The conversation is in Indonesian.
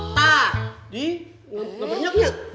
tadi itu bernyaknya